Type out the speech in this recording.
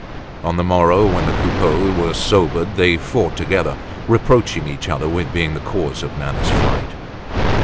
On the morrow when the Coupeaus were sobered they fought together, reproaching each other with being the cause of Nana's flight.